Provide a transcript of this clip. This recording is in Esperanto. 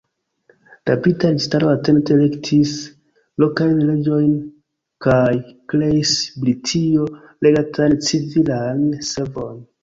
La brita registaro atente elektis lokajn reĝojn kaj kreis britio-regatan civilan servon.